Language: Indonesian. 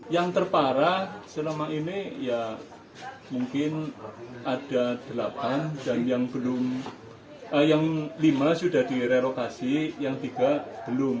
yang terparah selama ini ya mungkin ada delapan dan yang lima sudah direlokasi yang tiga belum